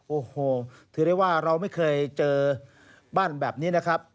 โอ้โหถือได้ว่าเราไม่เคยเจอบ้านแบบนี้นะครับ